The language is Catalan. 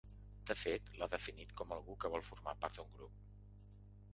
De fet, l’ha definit com algú que vol formar part d’un grup.